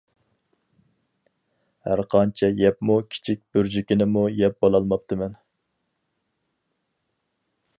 ھەر قانچە يەپمۇ كىچىك بۇرجىكىنىمۇ يەپ بولالماپتىمەن.